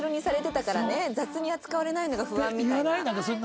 雑に扱われないのが不安みたいな。っていわない？